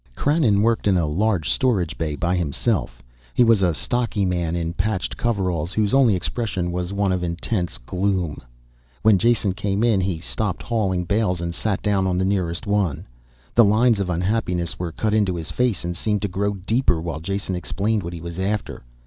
Krannon worked in a large storage bay by himself. He was a stocky man in patched coveralls whose only expression was one of intense gloom. When Jason came in he stopped hauling bales and sat down on the nearest one. The lines of unhappiness were cut into his face and seemed to grow deeper while Jason explained what he was after.